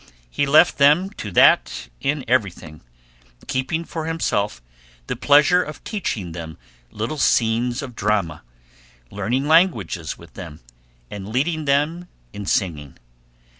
He left them to that in everything, keeping for himself the pleasure of teaching them little scenes of drama, learning languages with them, and leading them in singing.